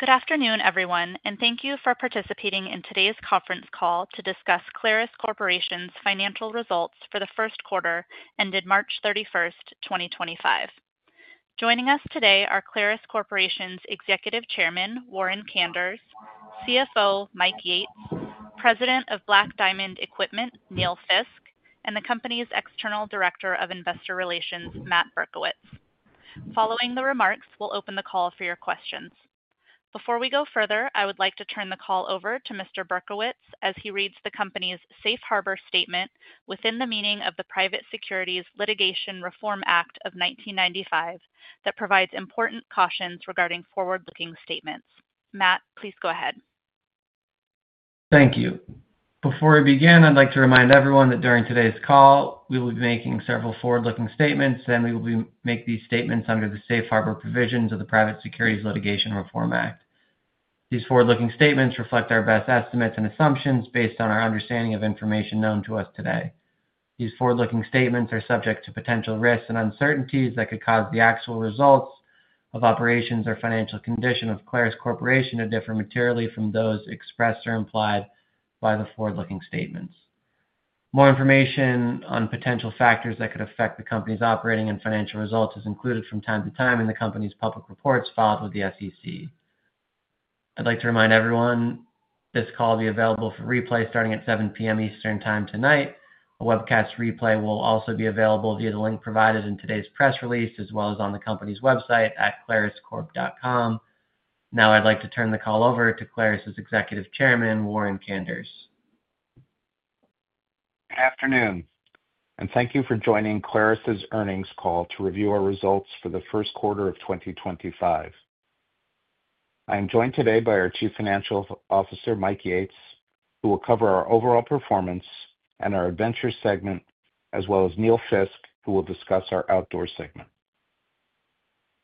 Good afternoon, everyone, and thank you for participating in today's conference call to discuss Clarus Corporation's financial results for the first quarter ended March 31, 2025. Joining us today are Clarus Corporation's Executive Chairman, Warren Kanders, CFO, Yates, President of Black Diamond Equipment, Neil Fiske, and the company's External Director of Investor Relations, Matt Berkowitz. Following the remarks, we'll open the call for your questions. Before we go further, I would like to turn the call over to Mr. Berkowitz as he reads the company's Safe Harbor Statement within the meaning of the Private Securities Litigation Reform Act of 1995 that provides important cautions regarding forward-looking statements. Matt, please go ahead. Thank you. Before we begin, I'd like to remind everyone that during today's call, we will be making several forward-looking statements, and we will make these statements under the Safe Harbor provisions of the Private Securities Litigation Reform Act. These forward-looking statements reflect our best estimates and assumptions based on our understanding of information known to us today. These forward-looking statements are subject to potential risks and uncertainties that could cause the actual results of operations or financial condition of Clarus Corporation to differ materially from those expressed or implied by the forward-looking statements. More information on potential factors that could affect the company's operating and financial results is included from time to time in the company's public reports filed with the SEC. I'd like to remind everyone this call will be available for replay starting at 7:00 P.M. Eastern Time tonight. A webcast replay will also be available via the link provided in today's press release as well as on the company's website at claruscorp.com. Now, I'd like to turn the call over to Clarus's Executive Chairman, Warren Kanders. Good afternoon, and thank you for joining Clarus's earnings call to review our results for the first quarter of 2025. I am joined today by our Chief Financial Officer, Mike Yates, who will cover our overall performance and our adventure segment, as well as Neil Fiske, who will discuss our outdoor segment.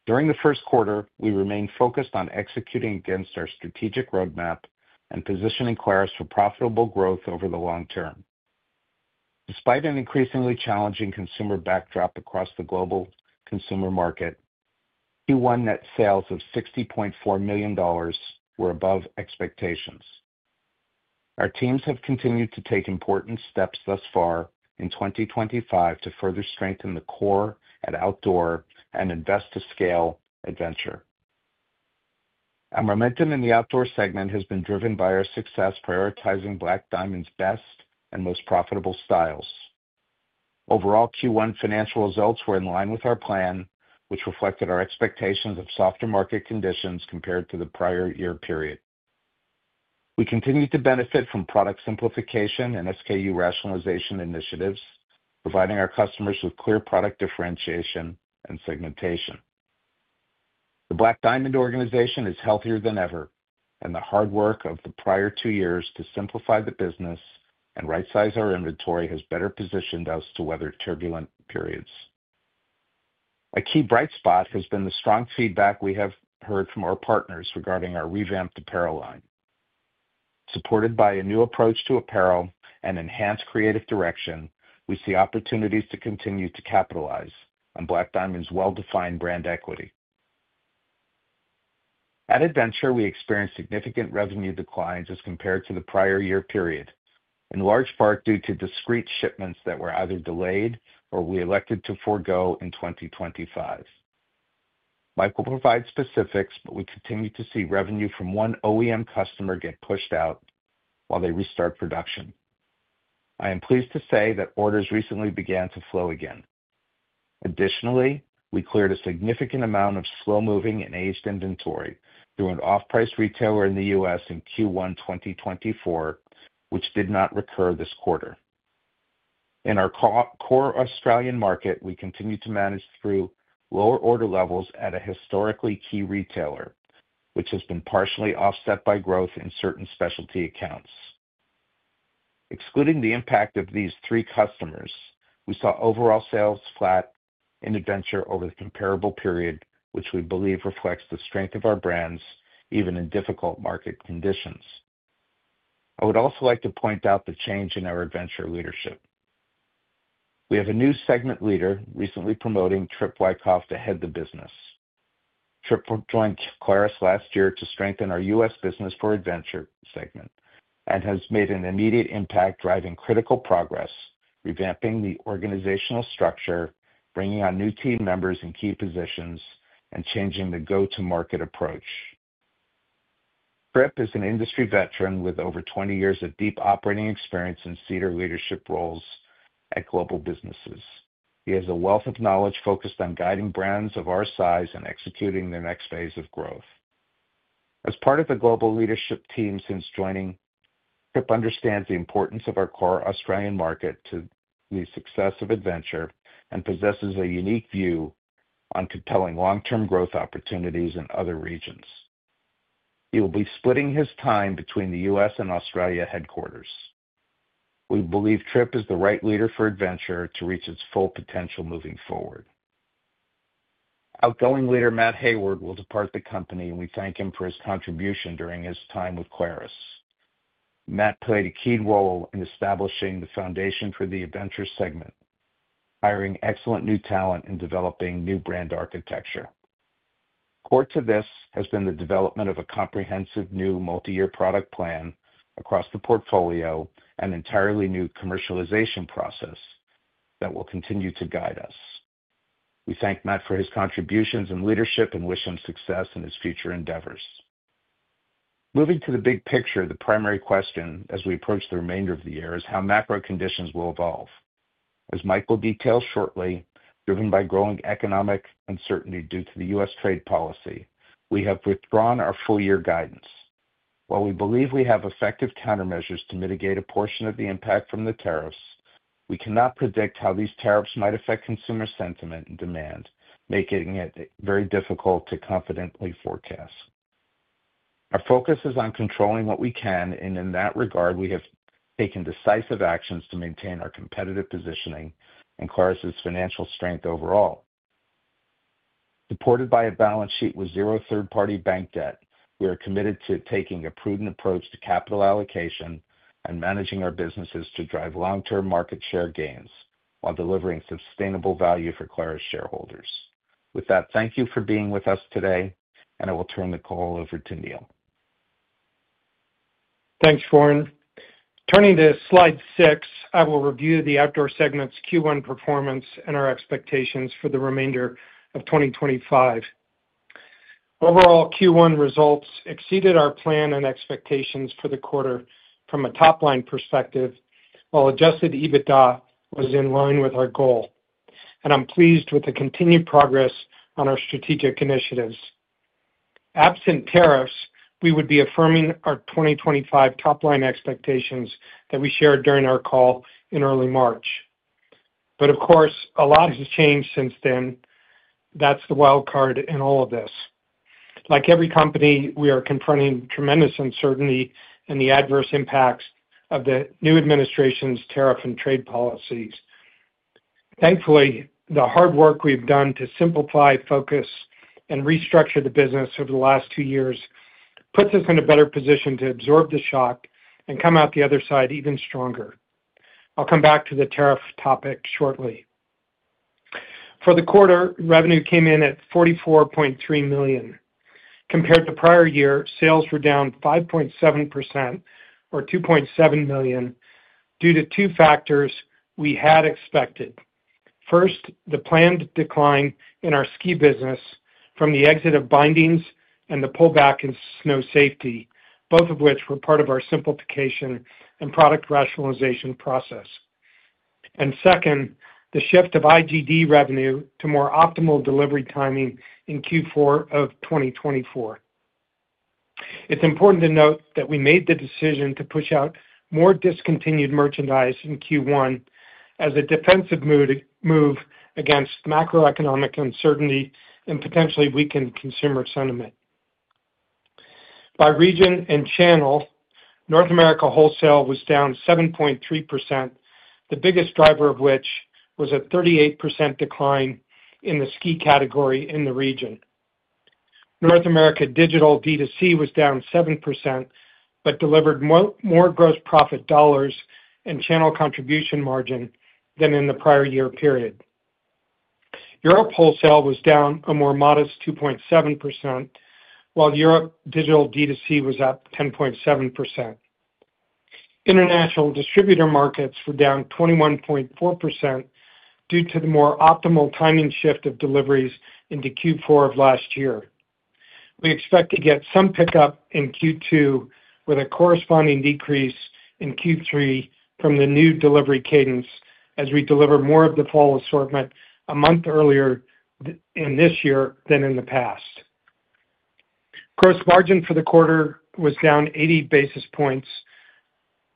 During the first quarter, we remained focused on executing against our strategic roadmap and positioning Clarus for profitable growth over the long term. Despite an increasingly challenging consumer backdrop across the global consumer market, Q1 net sales of $60.4 million were above expectations. Our teams have continued to take important steps thus far in 2025 to further strengthen the core at outdoor and invest-to-scale adventure. Our momentum in the outdoor segment has been driven by our success prioritizing Black Diamond's best and most profitable styles. Overall, Q1 financial results were in line with our plan, which reflected our expectations of softer market conditions compared to the prior year period. We continued to benefit from product simplification and SKU rationalization initiatives, providing our customers with clear product differentiation and segmentation. The Black Diamond organization is healthier than ever, and the hard work of the prior two years to simplify the business and right-size our inventory has better positioned us to weather turbulent periods. A key bright spot has been the strong feedback we have heard from our partners regarding our revamped apparel line. Supported by a new approach to apparel and enhanced creative direction, we see opportunities to continue to capitalize on Black Diamond's well-defined brand equity. At Adventure, we experienced significant revenue declines as compared to the prior year period, in large part due to discrete shipments that were either delayed or we elected to forego in 2025. Michael provides specifics, but we continue to see revenue from one OEM customer get pushed out while they restart production. I am pleased to say that orders recently began to flow again. Additionally, we cleared a significant amount of slow-moving and aged inventory through an off-price retailer in the U.S. in Q1 2024, which did not recur this quarter. In our core Australian market, we continue to manage through lower order levels at a historically key retailer, which has been partially offset by growth in certain specialty accounts. Excluding the impact of these three customers, we saw overall sales flat in Adventure over the comparable period, which we believe reflects the strength of our brands even in difficult market conditions. I would also like to point out the change in our Adventure leadership. We have a new segment leader, recently promoting Tripp Wyckoff to head the business. Tripp joined Clarus last year to strengthen our US business for the Adventure segment and has made an immediate impact, driving critical progress, revamping the organizational structure, bringing on new team members in key positions, and changing the go-to-market approach. Tripp is an industry veteran with over 20 years of deep operating experience in senior leadership roles at global businesses. He has a wealth of knowledge focused on guiding brands of our size and executing their next phase of growth. As part of the global leadership team since joining, Tripp understands the importance of our core Australian market to the success of Adventure and possesses a unique view on compelling long-term growth opportunities in other regions. He will be splitting his time between the U.S. and Australia headquarters. We believe Tripp is the right leader for Adventure to reach its full potential moving forward. Outgoing leader, Matt Hayward, will depart the company, and we thank him for his contribution during his time with Clarus. Matt played a key role in establishing the foundation for the Adventure segment, hiring excellent new talent, and developing new brand architecture. Core to this has been the development of a comprehensive new multi-year product plan across the portfolio and entirely new commercialization process that will continue to guide us. We thank Matt for his contributions and leadership and wish him success in his future endeavors. Moving to the big picture, the primary question as we approach the remainder of the year is how macro conditions will evolve. As Michael details shortly, driven by growing economic uncertainty due to the US trade policy, we have withdrawn our full-year guidance. While we believe we have effective countermeasures to mitigate a portion of the impact from the tariffs, we cannot predict how these tariffs might affect consumer sentiment and demand, making it very difficult to confidently forecast. Our focus is on controlling what we can, and in that regard, we have taken decisive actions to maintain our competitive positioning and Clarus's financial strength overall. Supported by a balance sheet with zero third-party bank debt, we are committed to taking a prudent approach to capital allocation and managing our businesses to drive long-term market share gains while delivering sustainable value for Clarus shareholders. With that, thank you for being with us today, and I will turn the call over to Neil. Thanks, Warren. Turning to slide six, I will review the Outdoor segment's Q1 performance and our expectations for the remainder of 2025. Overall, Q1 results exceeded our plan and expectations for the quarter from a top-line perspective, while adjusted EBITDA was in line with our goal, and I'm pleased with the continued progress on our strategic initiatives. Absent tariffs, we would be affirming our 2025 top-line expectations that we shared during our call in early March. Of course, a lot has changed since then. That's the wild card in all of this. Like every company, we are confronting tremendous uncertainty and the adverse impacts of the new administration's tariff and trade policies. Thankfully, the hard work we've done to simplify, focus, and restructure the business over the last two years puts us in a better position to absorb the shock and come out the other side even stronger. I'll come back to the tariff topic shortly. For the quarter, revenue came in at $44.3 million. Compared to prior year, sales were down 5.7% or $2.7 million due to two factors we had expected. First, the planned decline in our ski business from the exit of bindings and the pullback in snow safety, both of which were part of our simplification and product rationalization process. Second, the shift of IGD revenue to more optimal delivery timing in Q4 of 2024. It's important to note that we made the decision to push out more discontinued merchandise in Q1 as a defensive move against macroeconomic uncertainty and potentially weakened consumer sentiment. By region and channel, North America wholesale was down 7.3%, the biggest driver of which was a 38% decline in the ski category in the region. North America digital D2C was down 7% but delivered more gross profit dollars and channel contribution margin than in the prior year period. Europe wholesale was down a more modest 2.7%, while Europe digital D2C was up 10.7%. International distributor markets were down 21.4% due to the more optimal timing shift of deliveries into Q4 of last year. We expect to get some pickup in Q2 with a corresponding decrease in Q3 from the new delivery cadence as we deliver more of the fall assortment a month earlier in this year than in the past. Gross margin for the quarter was down 80 basis points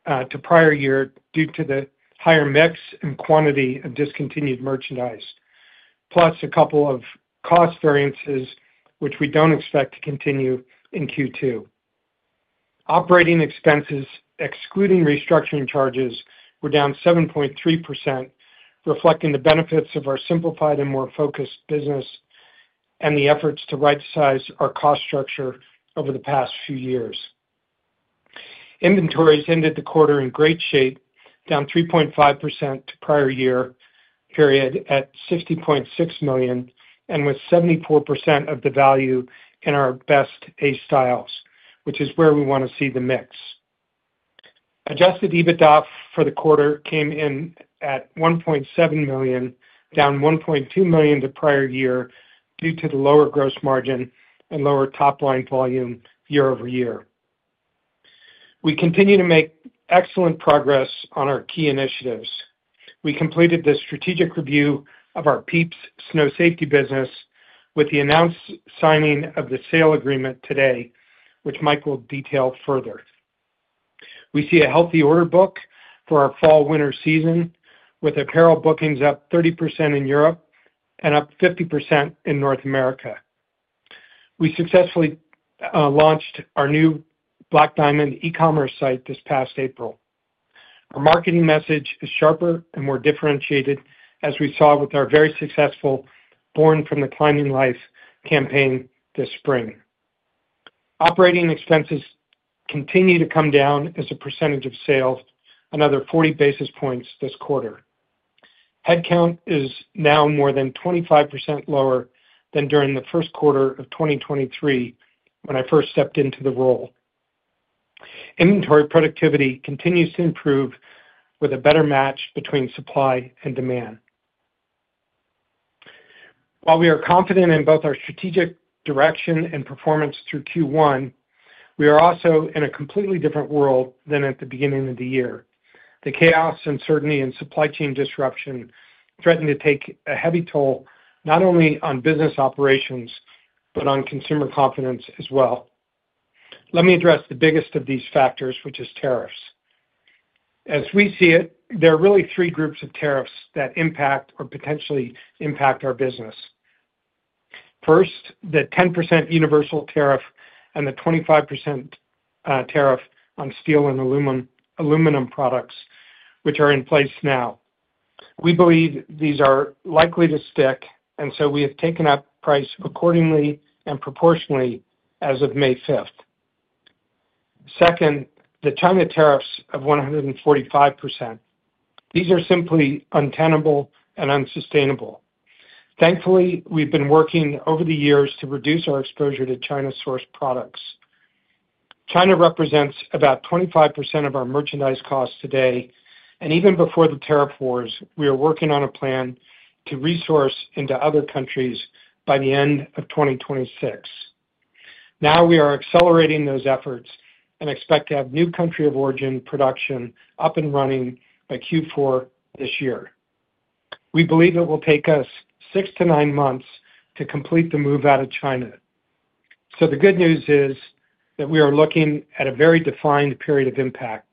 to prior year due to the higher mix and quantity of discontinued merchandise, plus a couple of cost variances which we do not expect to continue in Q2. Operating expenses, excluding restructuring charges, were down 7.3%, reflecting the benefits of our simplified and more focused business and the efforts to right-size our cost structure over the past few years. Inventories ended the quarter in great shape, down 3.5% to prior year period at $60.6 million and with 74% of the value in our best A styles, which is where we want to see the mix. Adjusted EBITDA for the quarter came in at $1.7 million, down $1.2 million to prior year due to the lower gross margin and lower top-line volume year over year. We continue to make excellent progress on our key initiatives. We completed the strategic review of our Pieps snow safety business with the announced signing of the sale agreement today, which Michael will detail further. We see a healthy order book for our fall-winter season, with apparel bookings up 30% in Europe and up 50% in North America. We successfully launched our new Black Diamond e-commerce site this past April. Our marketing message is sharper and more differentiated, as we saw with our very successful Born from the Climbing Life campaign this spring. Operating expenses continue to come down as a percentage of sales, another 40 basis points this quarter. Headcount is now more than 25% lower than during the first quarter of 2023 when I first stepped into the role. Inventory productivity continues to improve with a better match between supply and demand. While we are confident in both our strategic direction and performance through Q1, we are also in a completely different world than at the beginning of the year. The chaos, uncertainty, and supply chain disruption threaten to take a heavy toll not only on business operations but on consumer confidence as well. Let me address the biggest of these factors, which is tariffs. As we see it, there are really three groups of tariffs that impact or potentially impact our business. First, the 10% universal tariff and the 25% tariff on steel and aluminum products, which are in place now. We believe these are likely to stick, and so we have taken up price accordingly and proportionally as of May 5. Second, the China tariffs of 145%. These are simply untenable and unsustainable. Thankfully, we've been working over the years to reduce our exposure to China-sourced products. China represents about 25% of our merchandise costs today, and even before the tariff wars, we are working on a plan to resource into other countries by the end of 2026. Now we are accelerating those efforts and expect to have new country of origin production up and running by Q4 this year. We believe it will take us six to nine months to complete the move out of China. The good news is that we are looking at a very defined period of impact.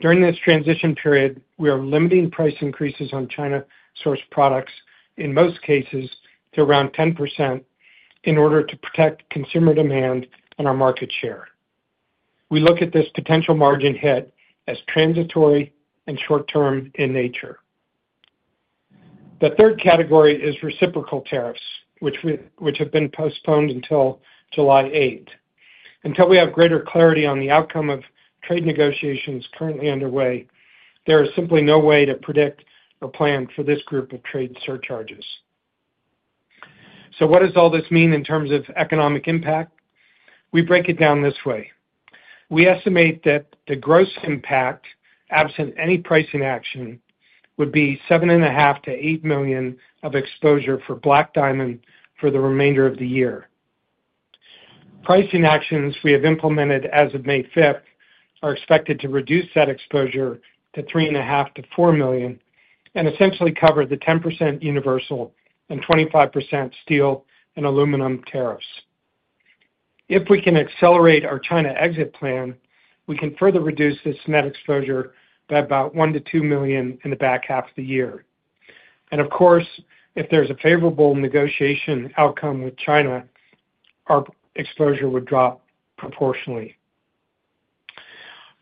During this transition period, we are limiting price increases on China-sourced products, in most cases to around 10%, in order to protect consumer demand and our market share. We look at this potential margin hit as transitory and short-term in nature. The third category is reciprocal tariffs, which have been postponed until July 8. Until we have greater clarity on the outcome of trade negotiations currently underway, there is simply no way to predict or plan for this group of trade surcharges. What does all this mean in terms of economic impact? We break it down this way. We estimate that the gross impact, absent any pricing action, would be $7.5 million-$8 million of exposure for Black Diamond for the remainder of the year. Pricing actions we have implemented as of May 5th are expected to reduce that exposure to $3.5 million-$4 million and essentially cover the 10% universal and 25% steel and aluminum tariffs. If we can accelerate our China exit plan, we can further reduce this net exposure by about $1 million-$2 million in the back half of the year. Of course, if there is a favorable negotiation outcome with China, our exposure would drop proportionally.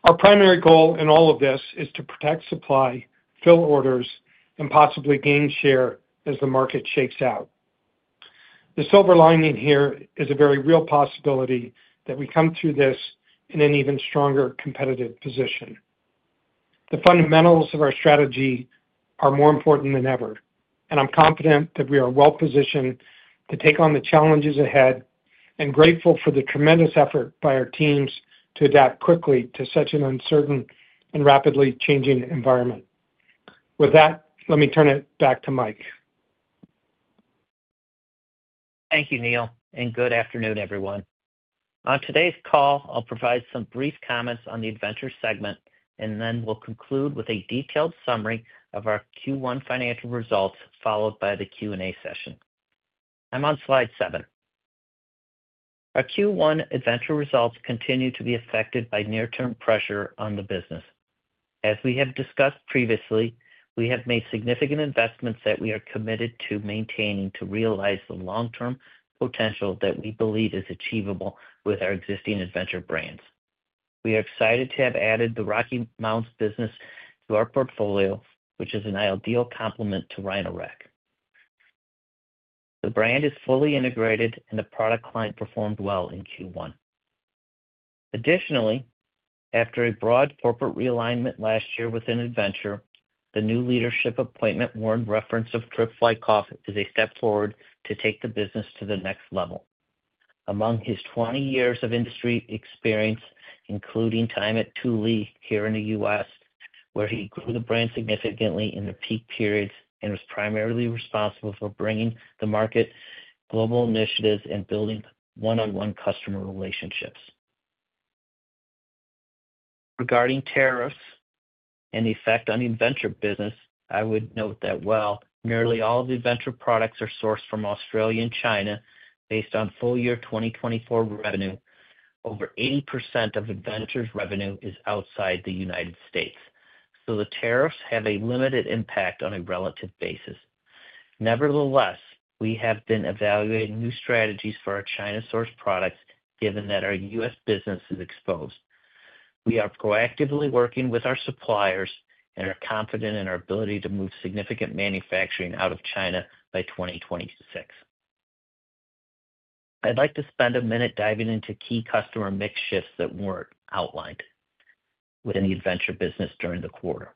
Our primary goal in all of this is to protect supply, fill orders, and possibly gain share as the market shakes out. The silver lining here is a very real possibility that we come through this in an even stronger competitive position. The fundamentals of our strategy are more important than ever, and I'm confident that we are well positioned to take on the challenges ahead and grateful for the tremendous effort by our teams to adapt quickly to such an uncertain and rapidly changing environment. With that, let me turn it back to Mike. Thank you, Neil, and good afternoon, everyone. On today's call, I'll provide some brief comments on the Adventure segment, and then we'll conclude with a detailed summary of our Q1 financial results, followed by the Q&A session. I'm on slide seven. Our Q1 Adventure results continue to be affected by near-term pressure on the business. As we have discussed previously, we have made significant investments that we are committed to maintaining to realize the long-term potential that we believe is achievable with our existing Adventure brands. We are excited to have added the Rocky Mounts business to our portfolio, which is an ideal complement to Rhino-Rack. The brand is fully integrated, and the product line performed well in Q1. Additionally, after a broad corporate realignment last year within Adventure, the new leadership appointment Warren referenced of Tripp Wyckoff is a step forward to take the business to the next level. Among his 20 years of industry experience, including time at Thule here in the U.S., where he grew the brand significantly in the peak periods and was primarily responsible for bringing the market, global initiatives, and building one-on-one customer relationships. Regarding tariffs and the effect on the Adventure business, I would note that while nearly all of the Adventure products are sourced from Australia and China based on full year 2024 revenue, over 80% of Adventure's revenue is outside the United States. The tariffs have a limited impact on a relative basis. Nevertheless, we have been evaluating new strategies for our China-sourced products, given that our U.S. business is exposed. We are proactively working with our suppliers and are confident in our ability to move significant manufacturing out of China by 2026. I'd like to spend a minute diving into key customer mix shifts that weren't outlined within the Adventure business during the quarter.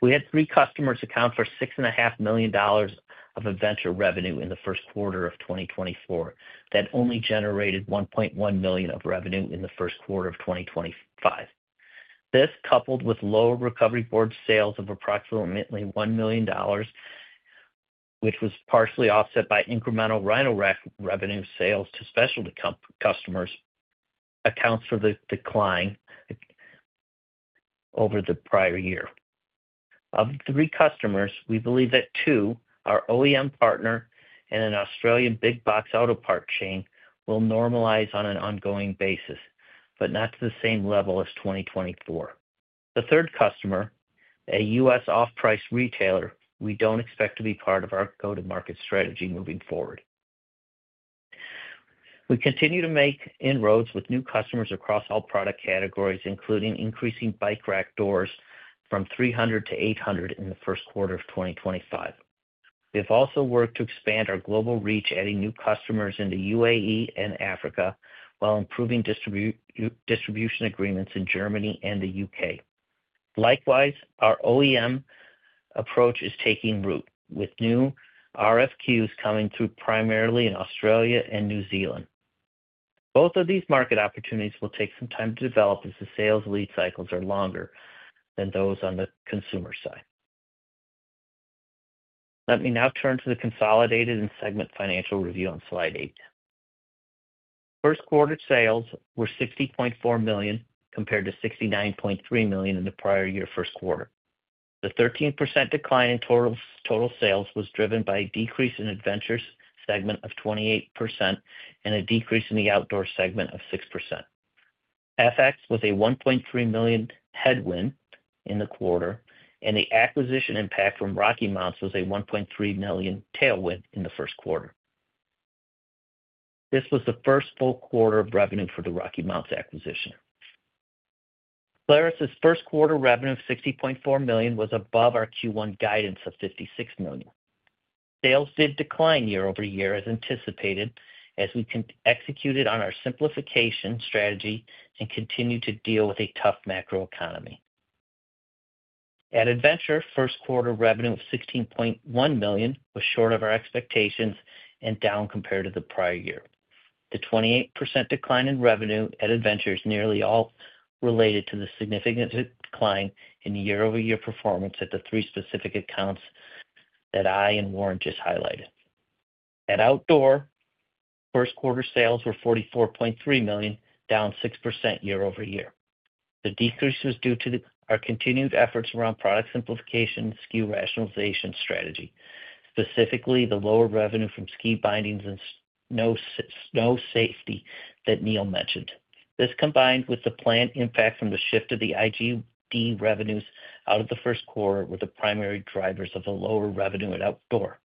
We had three customers account for $6.5 million of Adventure revenue in the first quarter of 2024 that only generated $1.1 million of revenue in the first quarter of 2025. This, coupled with lower recovery board sales of approximately $1 million, which was partially offset by incremental Rhino-Rack revenue sales to specialty customers, accounts for the decline over the prior year. Of the three customers, we believe that two, our OEM partner and an Australian big box auto part chain, will normalize on an ongoing basis, but not to the same level as 2024. The third customer, a U.S. off-price retailer, we don't expect to be part of our go-to-market strategy moving forward. We continue to make inroads with new customers across all product categories, including increasing bike rack doors from 300 to 800 in the first quarter of 2025. We have also worked to expand our global reach, adding new customers in the UAE and Africa while improving distribution agreements in Germany and the U.K. Likewise, our OEM approach is taking root, with new RFQs coming through primarily in Australia and New Zealand. Both of these market opportunities will take some time to develop as the sales lead cycles are longer than those on the consumer side. Let me now turn to the consolidated and segment financial review on slide eight. First quarter sales were $60.4 million compared to $69.3 million in the prior year first quarter. The 13% decline in total sales was driven by a decrease in Adventure's segment of 28% and a decrease in the Outdoor segment of 6%. FX was a $1.3 million headwind in the quarter, and the acquisition impact from Rocky Mounts was a $1.3 million tailwind in the first quarter. This was the first full quarter of revenue for the Rocky Mounts acquisition. Clarus's first quarter revenue of $60.4 million was above our Q1 guidance of $56 million. Sales did decline year over year as anticipated as we executed on our simplification strategy and continued to deal with a tough macroeconomy. At Adventure, first quarter revenue of $16.1 million was short of our expectations and down compared to the prior year. The 28% decline in revenue at Adventure is nearly all related to the significant decline in year-over-year performance at the three specific accounts that I and Warren just highlighted. At Outdoor, first quarter sales were $44.3 million, down 6% year-over-year. The decrease was due to our continued efforts around product simplification and SKU rationalization strategy, specifically the lower revenue from ski bindings and snow safety that Neil mentioned. This combined with the planned impact from the shift of the IGD revenues out of the first quarter were the primary drivers of the lower revenue at Outdoor.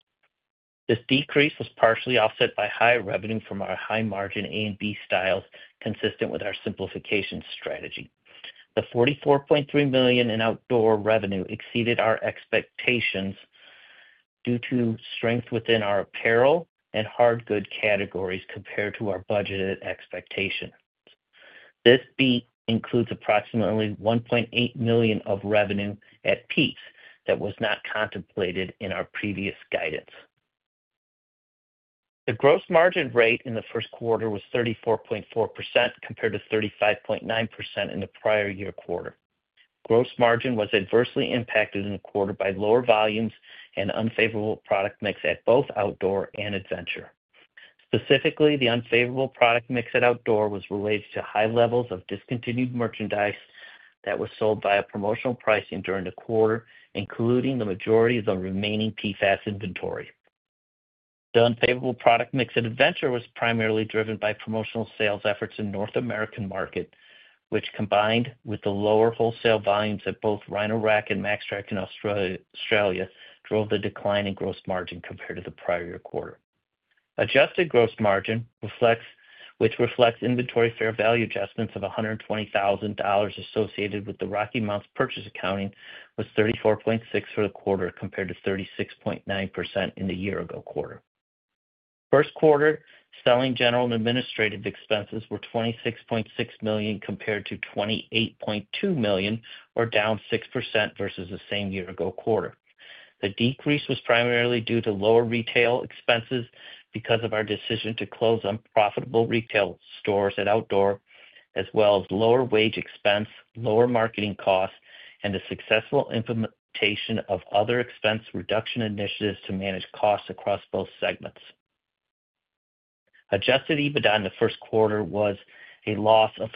This decrease was partially offset by higher revenue from our high-margin A and B styles, consistent with our simplification strategy. The $44.3 million in Outdoor revenue exceeded our expectations due to strength within our apparel and hard good categories compared to our budgeted expectations. This beat includes approximately $1.8 million of revenue at Pieps that was not contemplated in our previous guidance. The gross margin rate in the first quarter was 34.4% compared to 35.9% in the prior year quarter. Gross margin was adversely impacted in the quarter by lower volumes and unfavorable product mix at both Outdoor and Adventure. Specifically, the unfavorable product mix at Outdoor was related to high levels of discontinued merchandise that was sold by a promotional pricing during the quarter, including the majority of the remaining PFAS inventory. The unfavorable product mix at Adventure was primarily driven by promotional sales efforts in the North American market, which combined with the lower wholesale volumes at both Rhino-Rack and Maxtrax in Australia drove the decline in gross margin compared to the prior year quarter. Adjusted gross margin, which reflects inventory fair value adjustments of $120,000 associated with the Rocky Mounts purchase accounting, was 34.6% for the quarter compared to 36.9% in the year-ago quarter. First quarter selling, general and administrative expenses were $26.6 million compared to $28.2 million, or down 6% versus the same year-ago quarter. The decrease was primarily due to lower retail expenses because of our decision to close unprofitable retail stores at Outdoor, as well as lower wage expense, lower marketing costs, and the successful implementation of other expense reduction initiatives to manage costs across both segments. Adjusted EBITDA in the first quarter was a loss of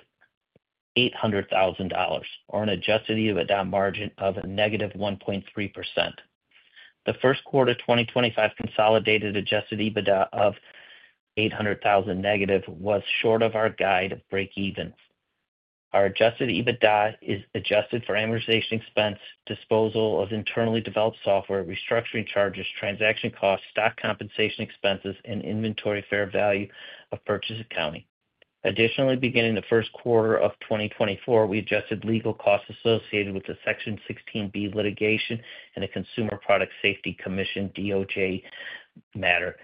$800,000, or an adjusted EBITDA margin of negative 1.3%. The first quarter 2025 consolidated adjusted EBITDA of $800,000 negative was short of our guide of breakeven. Our adjusted EBITDA is adjusted for amortization expense, disposal of internally developed software, restructuring charges, transaction costs, stock compensation expenses, and inventory fair value of purchase accounting. Additionally, beginning the first quarter of 2024, we adjusted legal costs associated with the Section 16B litigation and the Consumer Product Safety Commission DOJ matter,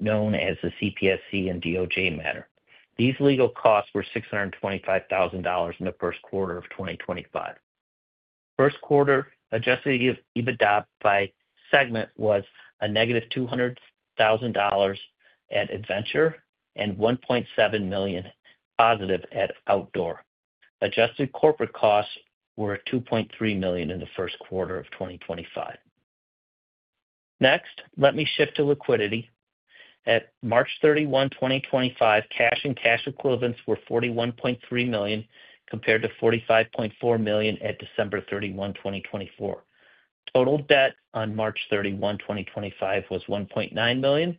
known as the CPSC and DOJ matter. These legal costs were $625,000 in the first quarter of 2025. First quarter adjusted EBITDA by segment was a negative $200,000 at Adventure and $1.7 million positive at Outdoor. Adjusted corporate costs were $2.3 million in the first quarter of 2025. Next, let me shift to liquidity. At March 31, 2025, cash and cash equivalents were $41.3 million compared to $45.4 million at December 31, 2024. Total debt on March 31, 2025, was $1.9 million.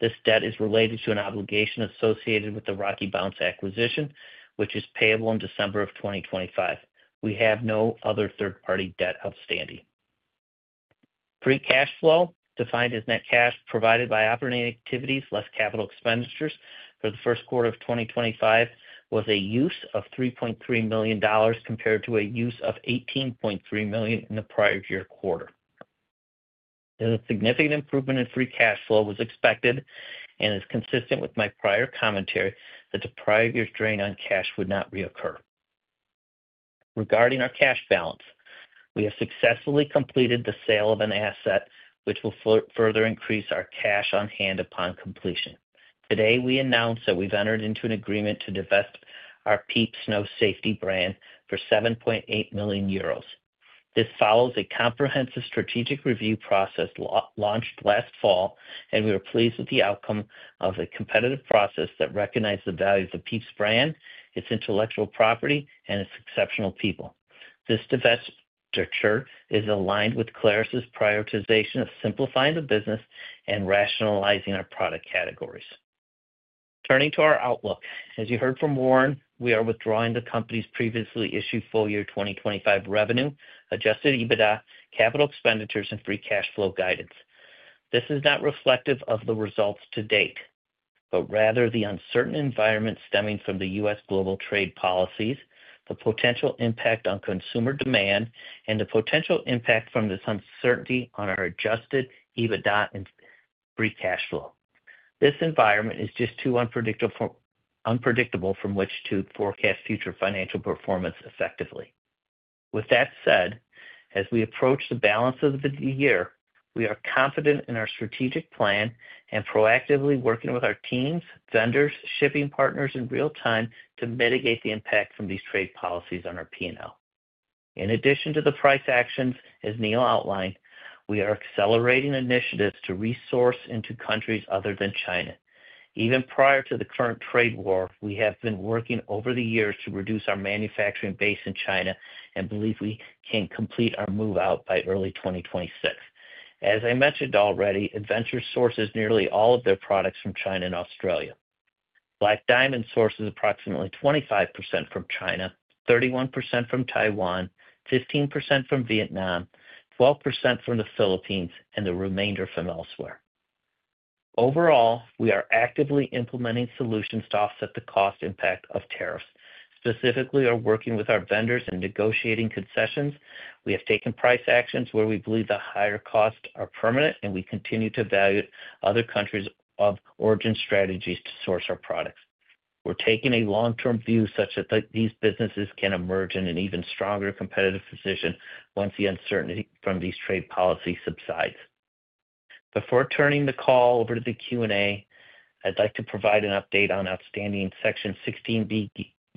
This debt is related to an obligation associated with the Rocky Mounts acquisition, which is payable in December of 2025. We have no other third-party debt outstanding. Free cash flow, defined as net cash provided by operating activities less capital expenditures for the first quarter of 2025, was a use of $3.3 million compared to a use of $18.3 million in the prior year quarter. There's a significant improvement in free cash flow was expected and is consistent with my prior commentary that the prior year's drain on cash would not reoccur. Regarding our cash balance, we have successfully completed the sale of an asset, which will further increase our cash on hand upon completion. Today, we announce that we've entered into an agreement to divest our Pieps snow safety brand for 7.8 million euros. This follows a comprehensive strategic review process launched last fall, and we are pleased with the outcome of a competitive process that recognized the value of the Pieps brand, its intellectual property, and its exceptional people. This divestiture is aligned with Clarus's prioritization of simplifying the business and rationalizing our product categories. Turning to our outlook, as you heard from Warren, we are withdrawing the company's previously issued full year 2025 revenue, adjusted EBITDA, capital expenditures, and free cash flow guidance. This is not reflective of the results to date, but rather the uncertain environment stemming from the U.S. global trade policies, the potential impact on consumer demand, and the potential impact from this uncertainty on our adjusted EBITDA and free cash flow. This environment is just too unpredictable from which to forecast future financial performance effectively. With that said, as we approach the balance of the year, we are confident in our strategic plan and proactively working with our teams, vendors, shipping partners in real time to mitigate the impact from these trade policies on our P&L. In addition to the price actions, as Neil outlined, we are accelerating initiatives to resource into countries other than China. Even prior to the current trade war, we have been working over the years to reduce our manufacturing base in China and believe we can complete our move-out by early 2026. As I mentioned already, Adventure sources nearly all of their products from China and Australia. Black Diamond sources approximately 25% from China, 31% from Taiwan, 15% from Vietnam, 12% from the Philippines, and the remainder from elsewhere. Overall, we are actively implementing solutions to offset the cost impact of tariffs, specifically our working with our vendors and negotiating concessions. We have taken price actions where we believe the higher costs are permanent, and we continue to value other countries' origin strategies to source our products. We're taking a long-term view such that these businesses can emerge in an even stronger competitive position once the uncertainty from these trade policies subsides. Before turning the call over to the Q&A, I'd like to provide an update on outstanding Section 16B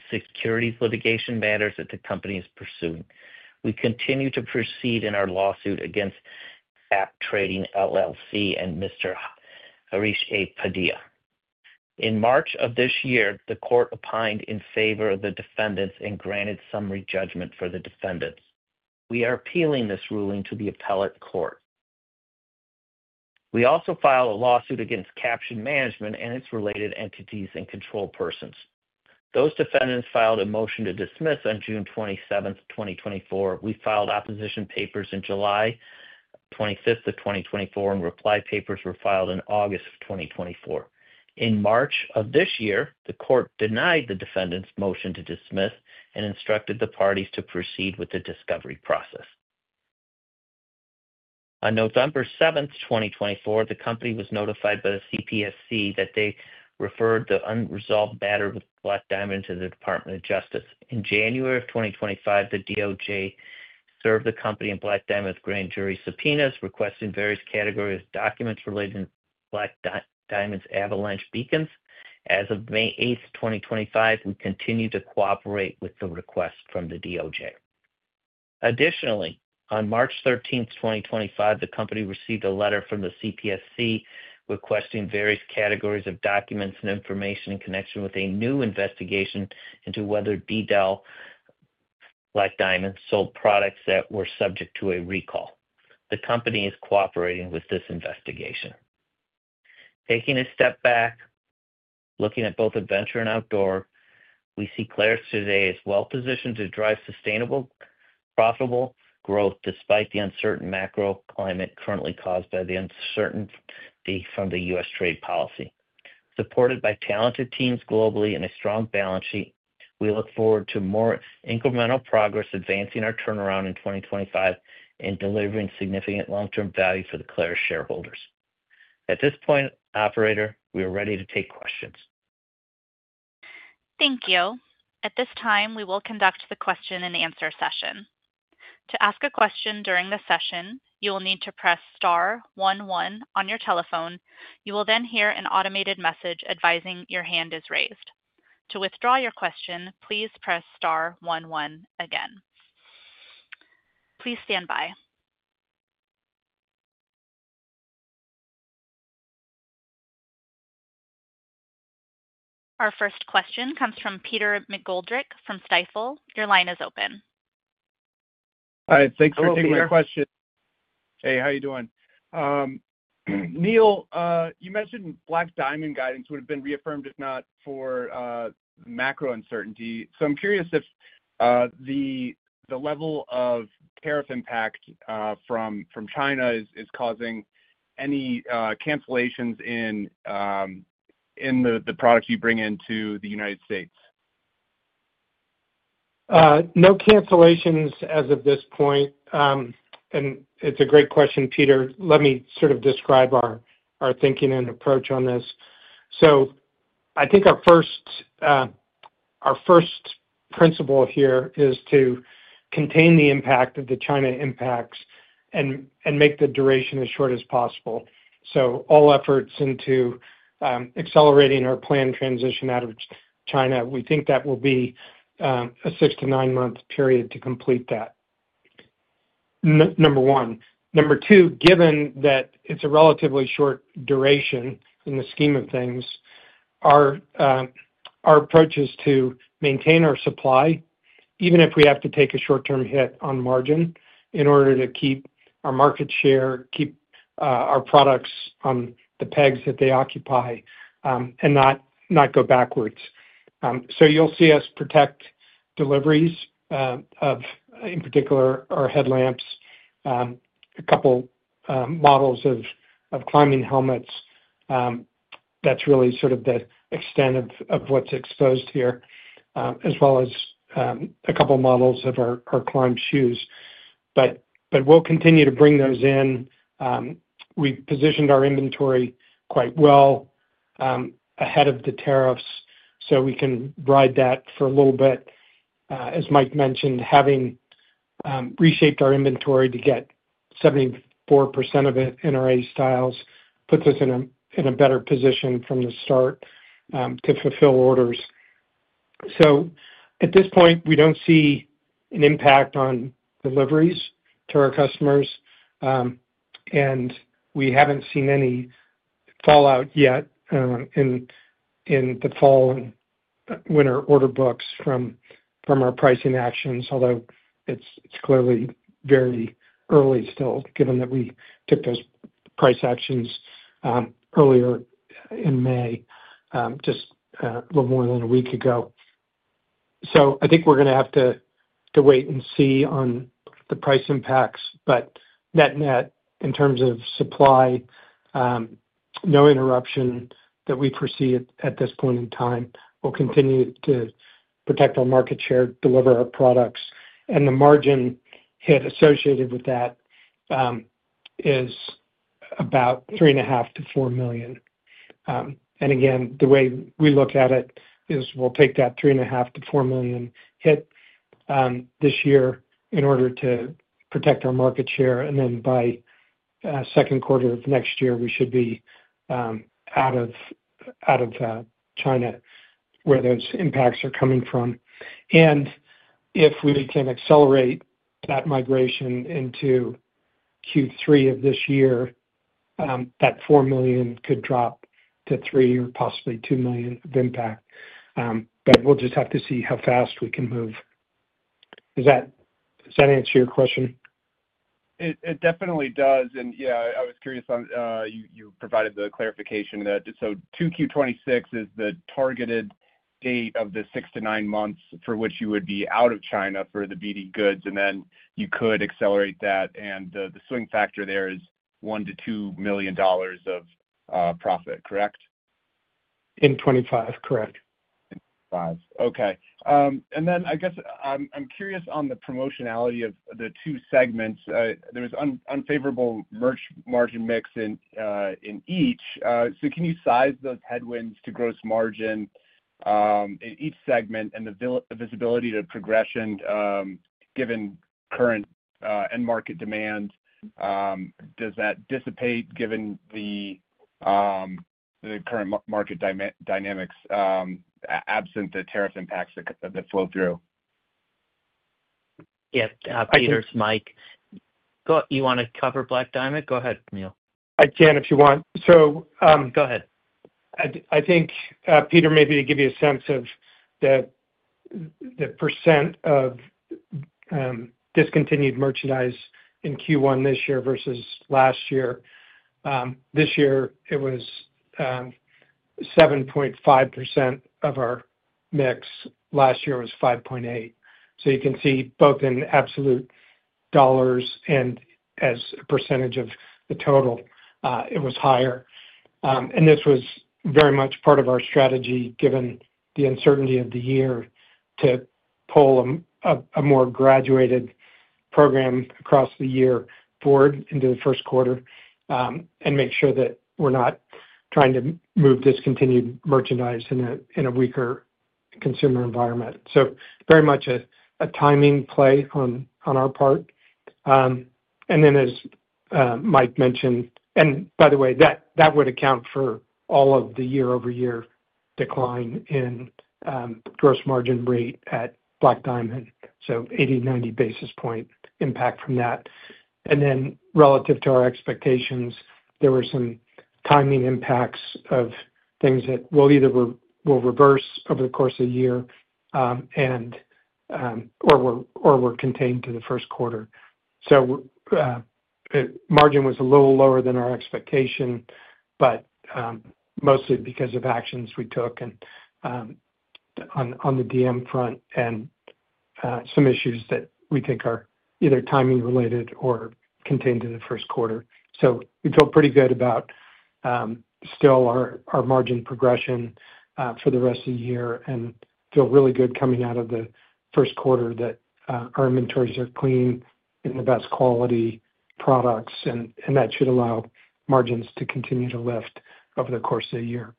securities litigation matters that the company is pursuing. We continue to proceed in our lawsuit against FAP Trading LLC and Mr. Harish A. Padilla. In March of this year, the court opined in favor of the defendants and granted summary judgment for the defendants. We are appealing this ruling to the appellate court. We also filed a lawsuit against Caption Management and its related entities and control persons. Those defendants filed a motion to dismiss on June 27, 2024. We filed opposition papers on July 25, 2024, and reply papers were filed in August of 2024. In March of this year, the court denied the defendants' motion to dismiss and instructed the parties to proceed with the discovery process. On November 7, 2024, the company was notified by the CPSC that they referred the unresolved matter with Black Diamond to the Department of Justice. In January of 2025, the DOJ served the company and Black Diamond with grand jury subpoenas requesting various categories of documents related to Black Diamond's avalanche beacons. As of May 8, 2025, we continue to cooperate with the request from the DOJ. Additionally, on March 13, 2025, the company received a letter from the CPSC requesting various categories of documents and information in connection with a new investigation into whether Black Diamond sold products that were subject to a recall. The company is cooperating with this investigation. Taking a step back, looking at both Adventure and Outdoor, we see Clarus today as well-positioned to drive sustainable, profitable growth despite the uncertain macroclimate currently caused by the uncertainty from the U.S. trade policy. Supported by talented teams globally and a strong balance sheet, we look forward to more incremental progress advancing our turnaround in 2025 and delivering significant long-term value for the Clarus shareholders. At this point, operator, we are ready to take questions. Thank you. At this time, we will conduct the question-and-answer session. To ask a question during the session, you will need to press star one one on your telephone. You will then hear an automated message advising your hand is raised. To withdraw your question, please press star one one again. Please stand by. Our first question comes from Peter McGoldrick from Stifel. Your line is open. Hi. Thanks for taking my question. Hey, how are you doing? Neil, you mentioned Black Diamond guidance would have been reaffirmed, if not for macro uncertainty. I'm curious if the level of tariff impact from China is causing any cancellations in the products you bring into the United States. No cancellations as of this point. It's a great question, Peter. Let me sort of describe our thinking and approach on this. I think our first principle here is to contain the impact of the China impacts and make the duration as short as possible. All efforts into accelerating our planned transition out of China, we think that will be a six- to nine-month period to complete that, number one. Number two, given that it's a relatively short duration in the scheme of things, our approach is to maintain our supply, even if we have to take a short-term hit on margin in order to keep our market share, keep our products on the pegs that they occupy, and not go backwards. You'll see us protect deliveries of, in particular, our headlamps, a couple models of climbing helmets. That's really sort of the extent of what's exposed here, as well as a couple models of our climb shoes. We'll continue to bring those in. We've positioned our inventory quite well ahead of the tariffs, so we can ride that for a little bit. As Mike mentioned, having reshaped our inventory to get 74% of it in our A styles puts us in a better position from the start to fulfill orders. At this point, we don't see an impact on deliveries to our customers, and we haven't seen any fallout yet in the fall and winter order books from our pricing actions, although it's clearly very early still, given that we took those price actions earlier in May, just a little more than a week ago. I think we're going to have to wait and see on the price impacts. Net-net, in terms of supply, no interruption that we foresee at this point in time. We'll continue to protect our market share, deliver our products. The margin hit associated with that is about $3.5 million-$4 million. Again, the way we look at it is we'll take that $3.5 million-$4 million hit this year in order to protect our market share. By second quarter of next year, we should be out of China where those impacts are coming from. If we can accelerate that migration into Q3 of this year, that $4 million could drop to $3 million or possibly $2 million of impact. We'll just have to see how fast we can move. Does that answer your question? It definitely does. Yeah, I was curious on you provided the clarification that Q2 2026 is the targeted date of the six to nine months for which you would be out of China for the BD goods. And then you could accelerate that. The swing factor there is $1 million-$2 million of profit, correct? In 2025, correct. In 2025. Okay. I guess I'm curious on the promotionality of the two segments. There was unfavorable margin mix in each. Can you size those headwinds to gross margin in each segment and the visibility to progression given current and market demand? Does that dissipate given the current market dynamics absent the tariff impacts that flow through? Yeah. Peter, it's Mike, you want to cover Black Diamond? Go ahead, Neil. I can if you want. Go ahead. I think, Peter, maybe to give you a sense of the % of discontinued merchandise in Q1 this year versus last year. This year, it was 7.5% of our mix. Last year was 5.8%. You can see both in absolute dollars and as a % of the total, it was higher. This was very much part of our strategy given the uncertainty of the year to pull a more graduated program across the year forward into the first quarter and make sure that we're not trying to move discontinued merchandise in a weaker consumer environment. Very much a timing play on our part. As Mike mentioned, and by the way, that would account for all of the year-over-year decline in gross margin rate at Black Diamond. 80-90 basis point impact from that. Relative to our expectations, there were some timing impacts of things that will either reverse over the course of the year or were contained to the first quarter. Margin was a little lower than our expectation, but mostly because of actions we took on the DM front and some issues that we think are either timing-related or contained to the first quarter. We feel pretty good about still our margin progression for the rest of the year and feel really good coming out of the first quarter that our inventories are clean and the best quality products. That should allow margins to continue to lift over the course of the year.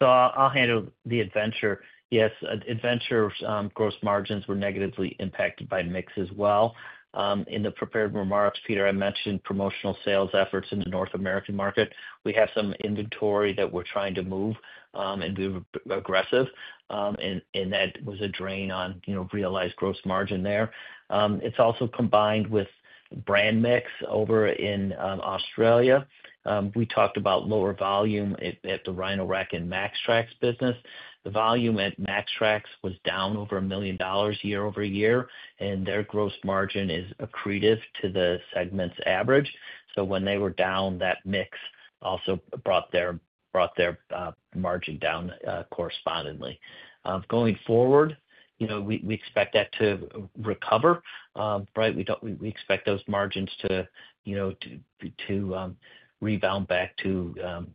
I'll handle the adventure. Yes, adventure gross margins were negatively impacted by mix as well. In the prepared remarks, Peter, I mentioned promotional sales efforts in the North American market. We have some inventory that we're trying to move, and we were aggressive. That was a drain on realized gross margin there. It's also combined with brand mix over in Australia. We talked about lower volume at the Rhino-Rack and Maxtrax business. The volume at Maxtrax was down over $1 million year over year, and their gross margin is accretive to the segment's average. When they were down, that mix also brought their margin down correspondingly. Going forward, we expect that to recover, right? We expect those margins to rebound back to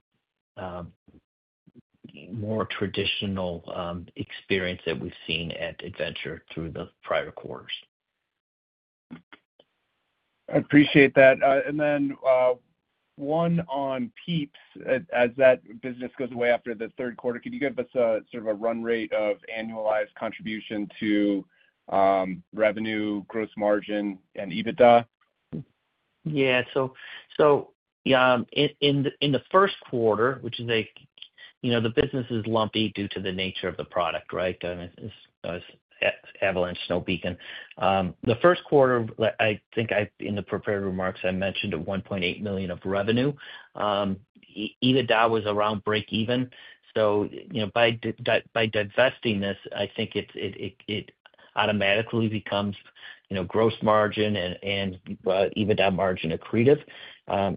more traditional experience that we've seen at Adventure through the prior quarters. I appreciate that. And then one on Pieps, as that business goes away after the third quarter, could you give us sort of a run rate of annualized contribution to revenue, gross margin, and EBITDA? Yeah. In the first quarter, which is, the business is lumpy due to the nature of the product, right? Avalanche, snow beacon. The first quarter, I think in the prepared remarks, I mentioned $1.8 million of revenue. EBITDA was around break-even. By divesting this, I think it automatically becomes gross margin and EBITDA margin accretive.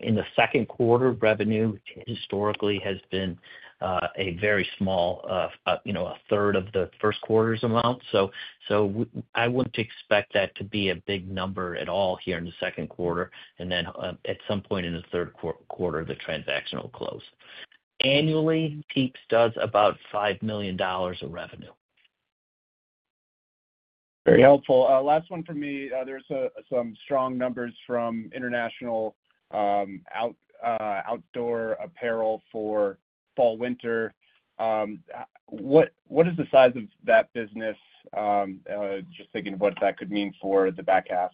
In the second quarter, revenue historically has been very small, a third of the first quarter's amount. I would not expect that to be a big number at all here in the second quarter. At some point in the third quarter, the transaction will close. Annually, Pieps does about $5 million of revenue. Very helpful. Last one for me. There are some strong numbers from international outdoor apparel for fall/winter. What is the size of that business, just thinking of what that could mean for the back half?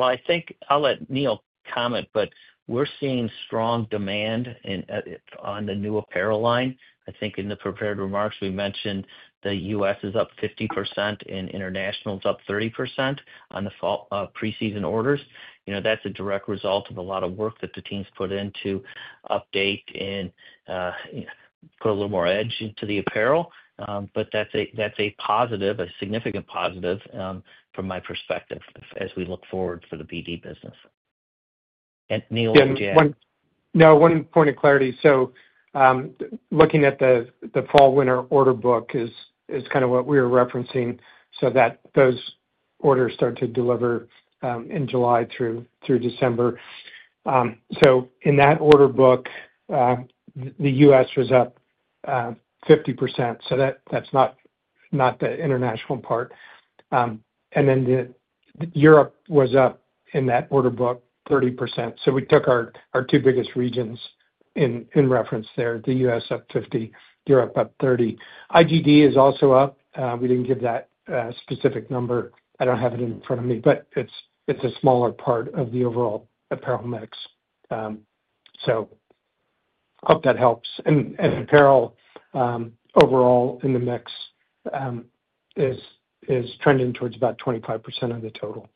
I think I'll let Neil comment, but we're seeing strong demand on the new apparel line. I think in the prepared remarks, we mentioned the U.S. is up 50% and international is up 30% on the pre-season orders. That's a direct result of a lot of work that the teams put in to update and put a little more edge into the apparel. That's a positive, a significant positive from my perspective as we look forward for the BD business. Neil, what would you add? No, one point of clarity. Looking at the fall/winter order book is kind of what we were referencing so that those orders start to deliver in July through December. In that order book, the U.S. was up 50%. That's not the international part. Then Europe was up in that order book 30%. We took our two biggest regions in reference there. The US up 50%, Europe up 30%. IGD is also up. We did not give that specific number. I do not have it in front of me, but it is a smaller part of the overall apparel mix. I hope that helps. Apparel overall in the mix is trending towards about 25% of the total.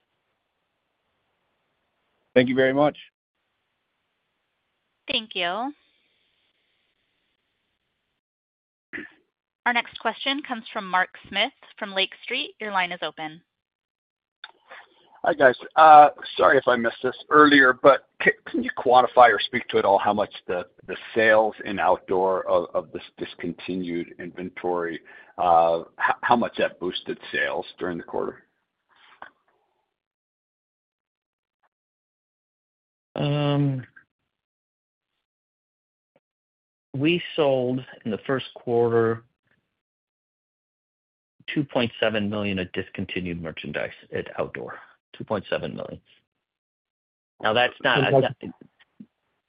Thank you very much. Thank you. Our next question comes from Mark Smith from Lake Street. Your line is open. Hi, guys. Sorry if I missed this earlier, but can you quantify or speak to at all how much the sales in outdoor of this discontinued inventory, how much that boosted sales during the quarter? We sold in the first quarter $2.7 million of discontinued merchandise at outdoor, $2.7 million. Now, that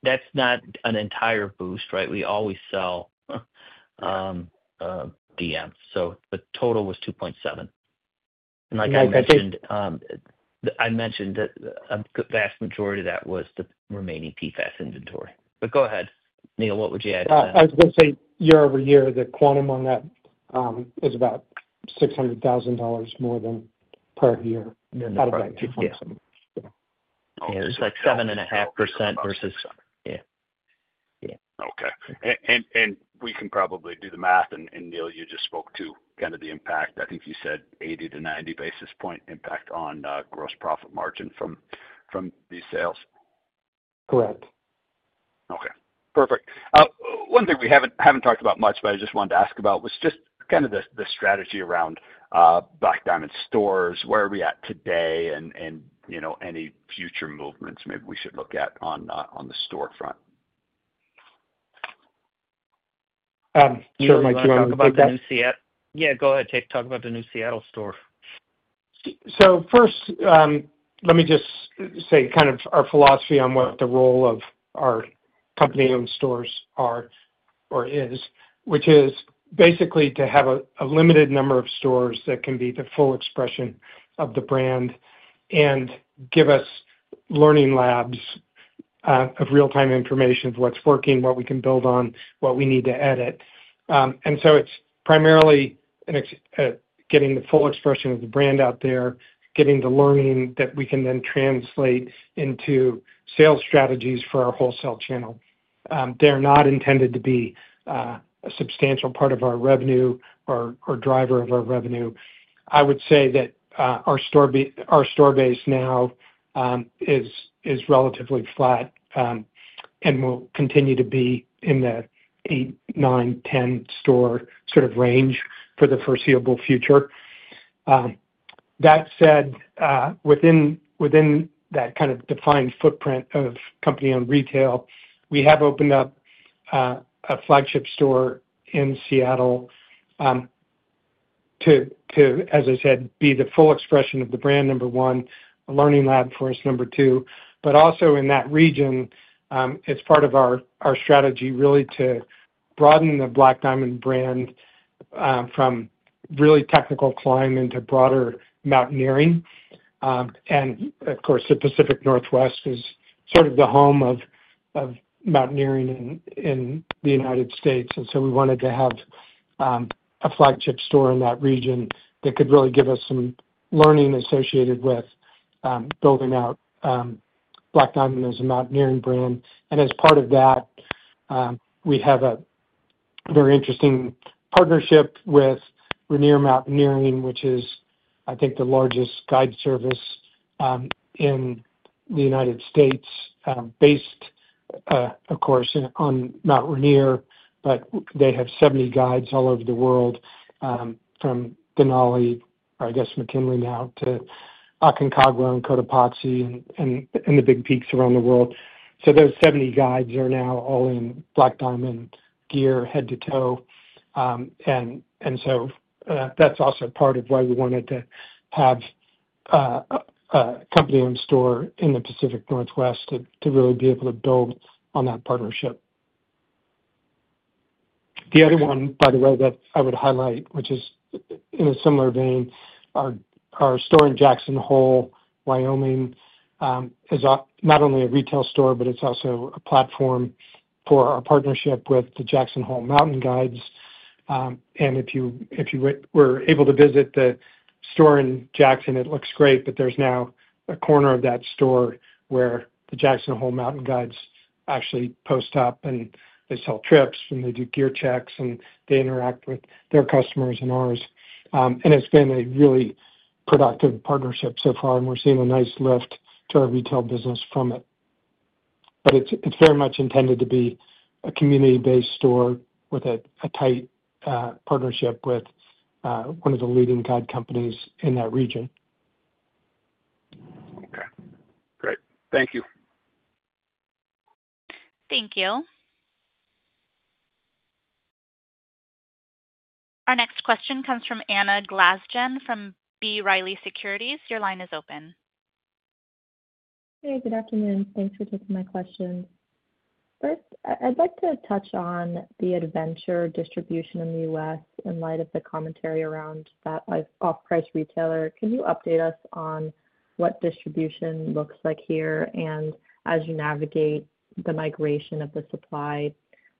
is not an entire boost, right? We always sell DM. The total was $2.7 million. Like I mentioned, I mentioned that a vast majority of that was the remaining PFAS inventory. Go ahead, Neil, what would you add to that? I was going to say year over year, the quantum on that is about $600,000 more than per year out of that 2.7. Yeah. It is like 7.5% versus yeah. Yeah. Okay. We can probably do the math. Neil, you just spoke to kind of the impact. I think you said 80 to 90 basis point impact on gross profit margin from these sales. Correct. Okay. Perfect. One thing we have not talked about much, but I just wanted to ask about was just kind of the strategy around Black Diamond stores. Where are we at today and any future movements maybe we should look at on the storefront? Sure. Mike, do you want to talk about that? Yeah. Go ahead. Talk about the new Seattle store. First, let me just say kind of our philosophy on what the role of our company-owned stores is, which is basically to have a limited number of stores that can be the full expression of the brand and give us learning labs of real-time information of what's working, what we can build on, what we need to edit. It is primarily getting the full expression of the brand out there, getting the learning that we can then translate into sales strategies for our wholesale channel. They are not intended to be a substantial part of our revenue or driver of our revenue. I would say that our store base now is relatively flat and will continue to be in the 8-10 store sort of range for the foreseeable future. That said, within that kind of defined footprint of company-owned retail, we have opened up a flagship store in Seattle to, as I said, be the full expression of the brand, number one, a learning lab for us, number two. Also in that region, it's part of our strategy really to broaden the Black Diamond brand from really technical climb into broader mountaineering. Of course, the Pacific Northwest is sort of the home of mountaineering in the United States. We wanted to have a flagship store in that region that could really give us some learning associated with building out Black Diamond as a mountaineering brand. As part of that, we have a very interesting partnership with Rainier Mountaineering, which is, I think, the largest guide service in the United States based, of course, on Mount Rainier. They have 70 guides all over the world from Denali, or I guess McKinley now, to Aconcagua and Cotopaxi and the big peaks around the world. Those 70 guides are now all in Black Diamond gear head to toe. That is also part of why we wanted to have a company-owned store in the Pacific Northwest to really be able to build on that partnership. The other one, by the way, that I would highlight, which is in a similar vein, our store in Jackson Hole, Wyoming, is not only a retail store, but it is also a platform for our partnership with the Jackson Hole Mountain Guides. If you were able to visit the store in Jackson, it looks great, but there's now a corner of that store where the Jackson Hole Mountain Guides actually post up and they sell trips and they do gear checks and they interact with their customers and ours. It's been a really productive partnership so far, and we're seeing a nice lift to our retail business from it. It's very much intended to be a community-based store with a tight partnership with one of the leading guide companies in that region. Okay. Great. Thank you. Thank you. Our next question comes from Anna Glaessgen from B. Riley Securities. Your line is open. Hey, good afternoon. Thanks for taking my question. First, I'd like to touch on the adventure distribution in the U.S. in light of the commentary around that off-price retailer. Can you update us on what distribution looks like here? As you navigate the migration of the supply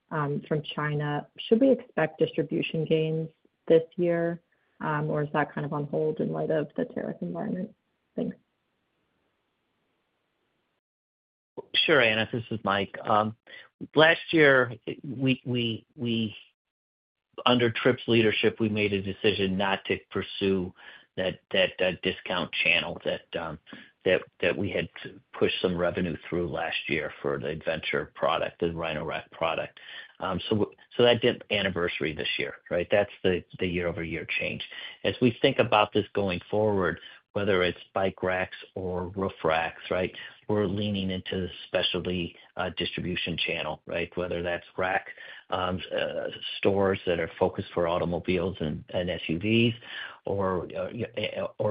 from China, should we expect distribution gains this year, or is that kind of on hold in light of the tariff environment? Thanks. Sure, Anna. This is Mike. Last year, under Tripp's leadership, we made a decision not to pursue that discount channel that we had pushed some revenue through last year for the Adventure product and Rhino-Rack product. That did not anniversary this year, right? That is the year-over-year change. As we think about this going forward, whether it is bike racks or roof racks, we are leaning into the specialty distribution channel, right? Whether that is rack stores that are focused for automobiles and SUVs or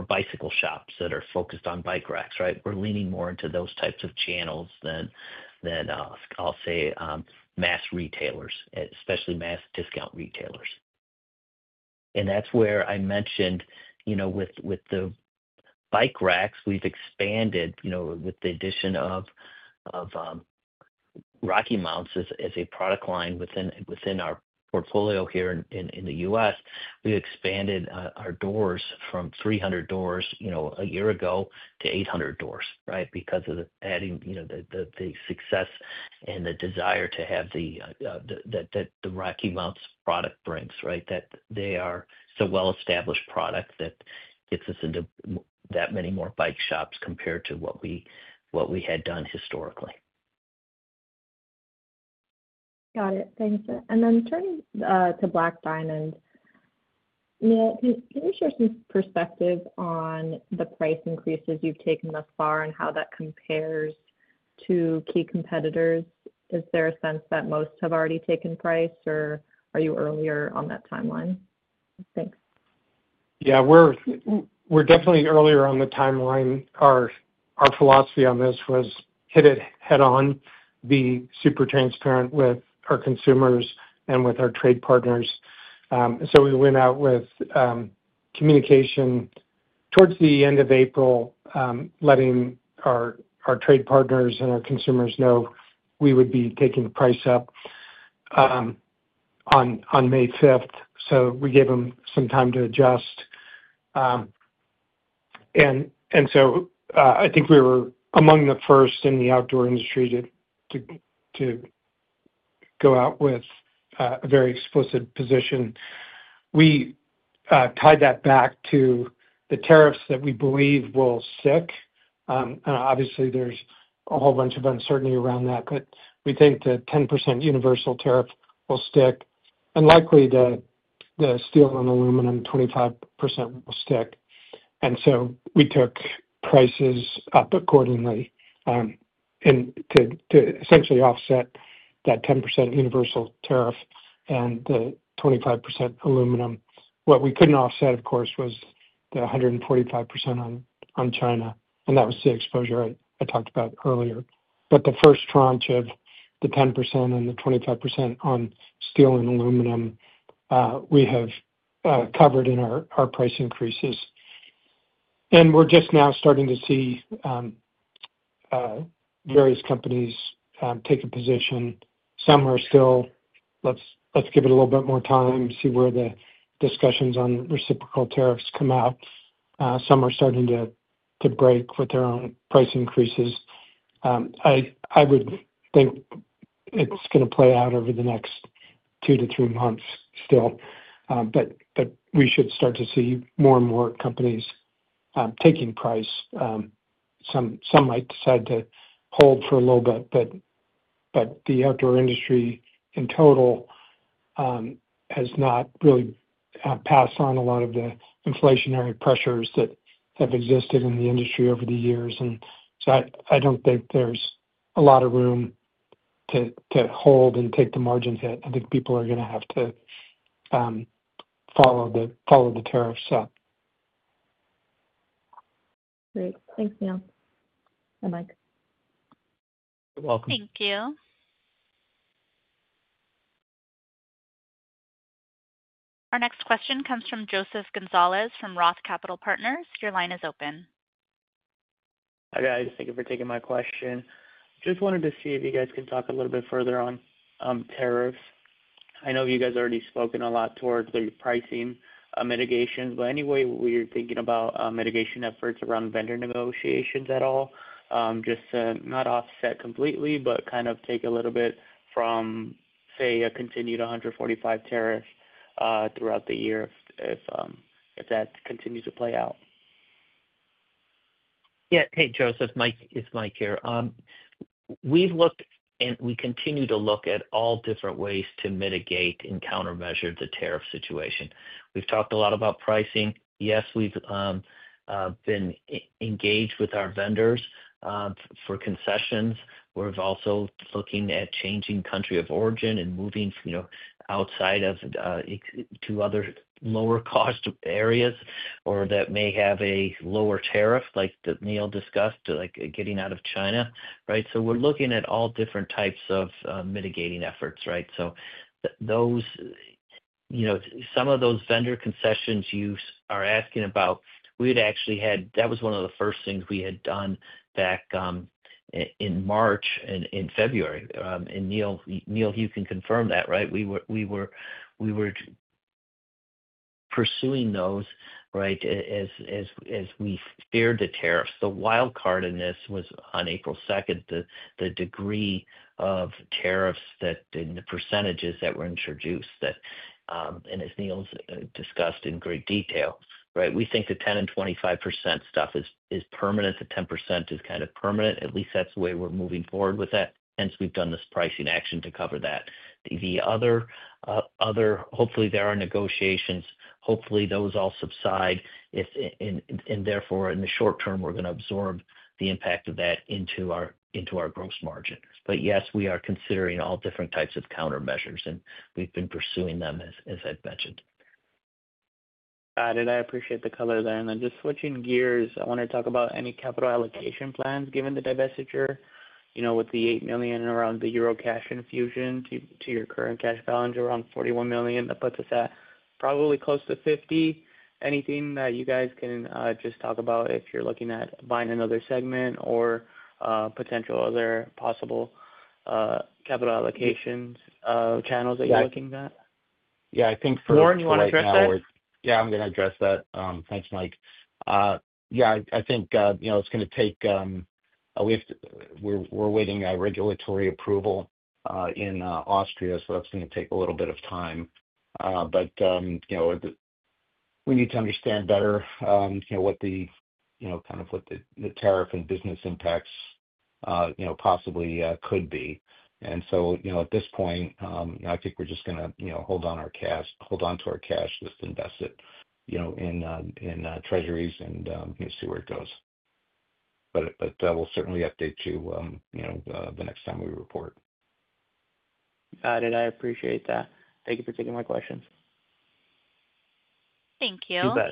bicycle shops that are focused on bike racks, right? We're leaning more into those types of channels than, I'll say, mass retailers, especially mass discount retailers. That's where I mentioned with the bike racks, we've expanded with the addition of Rocky Mounts as a product line within our portfolio here in the US. We expanded our doors from 300 doors a year ago to 800 doors, right, because of adding the success and the desire to have the Rocky Mounts product brings, right? They are so well-established product that gets us into that many more bike shops compared to what we had done historically. Got it. Thanks. Turning to Black Diamond, Neil, can you share some perspective on the price increases you've taken thus far and how that compares to key competitors? Is there a sense that most have already taken price, or are you earlier on that timeline? Thanks. Yeah. We're definitely earlier on the timeline. Our philosophy on this was hit it head-on, be super transparent with our consumers and with our trade partners. We went out with communication towards the end of April, letting our trade partners and our consumers know we would be taking the price up on May 5th. We gave them some time to adjust. I think we were among the first in the outdoor industry to go out with a very explicit position. We tied that back to the tariffs that we believe will stick. Obviously, there's a whole bunch of uncertainty around that, but we think the 10% universal tariff will stick. Likely, the steel and aluminum 25% will stick. We took prices up accordingly to essentially offset that 10% universal tariff and the 25% aluminum. What we couldn't offset, of course, was the 145% on China. That was the exposure I talked about earlier. The first tranche of the 10% and the 25% on steel and aluminum, we have covered in our price increases. We're just now starting to see various companies take a position. Some are still, let's give it a little bit more time, see where the discussions on reciprocal tariffs come out. Some are starting to break with their own price increases. I would think it's going to play out over the next two to three months still. We should start to see more and more companies taking price. Some might decide to hold for a little bit. The outdoor industry in total has not really passed on a lot of the inflationary pressures that have existed in the industry over the years. I do not think there is a lot of room to hold and take the margin hit. I think people are going to have to follow the tariffs up. Great. Thanks, Neil. And Mike. You're welcome. Thank you. Our next question comes from Joseph Gonzalez from ROTH Capital Partners. Your line is open. Hi, guys. Thank you for taking my question. Just wanted to see if you guys can talk a little bit further on tariffs. I know you guys have already spoken a lot towards the pricing mitigation. But any way we are thinking about mitigation efforts around vendor negotiations at all, just to not offset completely, but kind of take a little bit from, say, a continued 145 tariff throughout the year if that continues to play out. Yeah. Hey, Joseph. Mike here. We've looked and we continue to look at all different ways to mitigate and countermeasure the tariff situation. We've talked a lot about pricing. Yes, we've been engaged with our vendors for concessions. We're also looking at changing country of origin and moving outside of to other lower-cost areas or that may have a lower tariff, like Neil discussed, like getting out of China, right? We are looking at all different types of mitigating efforts, right? Some of those vendor concessions you are asking about, we had actually had that was one of the first things we had done back in March and in February. Neil, you can confirm that, right? We were pursuing those, right, as we feared the tariffs. The wildcard in this was on April 2, the degree of tariffs and the percentages that were introduced that, and as Neil's discussed in great detail, right? We think the 10% and 25% stuff is permanent. The 10% is kind of permanent. At least that's the way we're moving forward with that, hence we've done this pricing action to cover that. The other, hopefully, there are negotiations. Hopefully, those all subside. Therefore, in the short term, we're going to absorb the impact of that into our gross margin. Yes, we are considering all different types of countermeasures, and we've been pursuing them, as I've mentioned. Got it. I appreciate the color there. Just switching gears, I want to talk about any capital allocation plans given the divestiture with the 8 million around the Euro cash infusion to your current cash balance around $41 million. That puts us at probably close to $50 million. Anything that you guys can just talk about if you're looking at buying another segment or potential other possible capital allocation channels that you're looking at? Yeah. I think for the $200,000. Yeah, I'm going to address that. Thanks, Mike. Yeah, I think it's going to take we're waiting on regulatory approval in Austria, so that's going to take a little bit of time. We need to understand better what the kind of what the tariff and business impacts possibly could be. At this point, I think we're just going to hold on our cash, hold on to our cash, just invest it in treasuries and see where it goes. We'll certainly update you the next time we report. Got it. I appreciate that. Thank you for taking my questions. Thank you. You bet.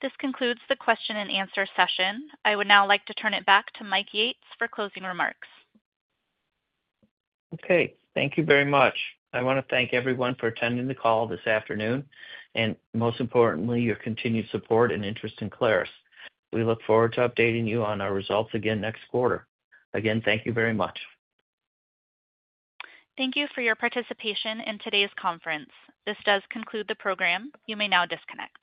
This concludes the question and answer session. I would now like to turn it back to Mike Yates for closing remarks. Okay. Thank you very much. I want to thank everyone for attending the call this afternoon and, most importantly, your continued support and interest in Clarus. We look forward to updating you on our results again next quarter. Again, thank you very much. Thank you for your participation in today's conference. This does conclude the program. You may now disconnect.